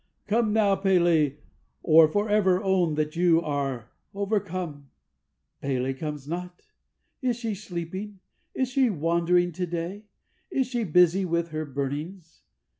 Come now, P├®l├®, or for ever own that you are overcome! "P├®l├® comes not. Is she sleeping? Is she wandering to day? Is she busy with her burnings?